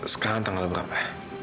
sekarang tanggal berapa